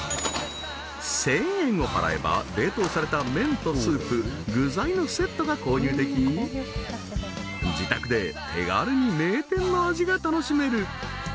１０００円を払えば冷凍された麺とスープ具材のセットが購入でき楽しめる